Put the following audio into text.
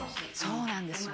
「そうなんですよ。